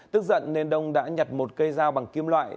tức giận nên đông đã nhặt một cây dao bằng kim loại